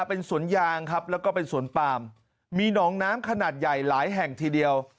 เป็นสวนยางครับแล้วก็เป็นสวนปามมีหนองน้ำขนาดใหญ่หลายแห่งทีเดียว